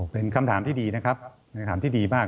เป็นคำถามที่ดีนะครับคำถามที่ดีมาก